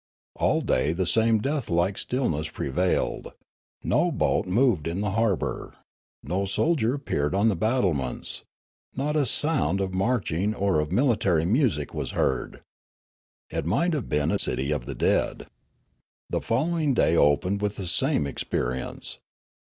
All day the same death like stillness prevailed. No boat moved in the harbour ; no soldier appeared on the battlements ; not a sound of marching or of military music was heard. It might have been a city of the dead. The following day opened with the same experience.